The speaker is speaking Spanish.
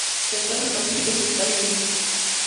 Se encuentra en el Pacífico occidental y en el Índico.